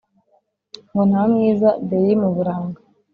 Ngo ntamwiza deri muburanga